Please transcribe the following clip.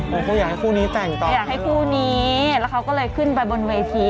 โอ้โหอยากให้คู่นี้แต่งต่ออยากให้คู่นี้แล้วเขาก็เลยขึ้นไปบนเวที